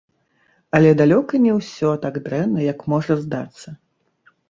Але далёка не ўсё так дрэнна, як можа здацца.